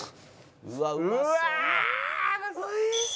「うわうまそう」